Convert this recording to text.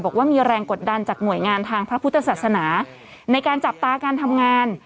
บอกว่ามีแรงกดดันจากหน่วยงานทางพระพุทธศาสนาในการจับตาการทำงาน